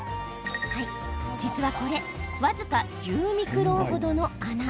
実は、これ僅か１０ミクロン程の穴。